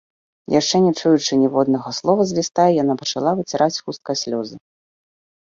Яшчэ не чуючы ніводнага слова з ліста, яна пачала выціраць хусткай слёзы.